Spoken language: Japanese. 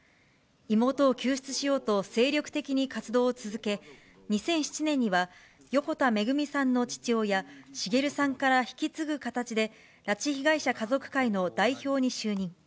妹を救出しようと精力的に活動を続け、２００７年には、横田めぐみさんの父親、滋さんから引き継ぐ形で、拉致被害者家族会の代表に就任。